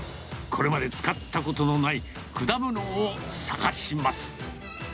これまで使ったことのない、果物を探します。